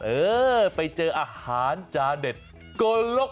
เออไปเจออาหารจานเด็ดโกลก